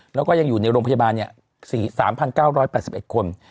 แล้วก็ยังอยู่ในโรงพยาบาล๓๙๘๑คน